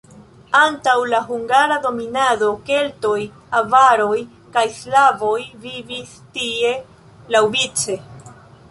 Antaŭ la hungara dominado keltoj, avaroj kaj slavoj vivis tie laŭvice.